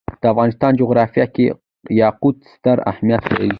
د افغانستان جغرافیه کې یاقوت ستر اهمیت لري.